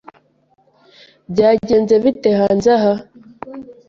Byagenze bite hanze aha?